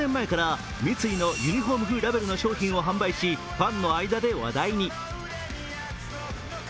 １０年前から三井のユニフォーム風ラベルの商品を販売し、ファンの間で話題に。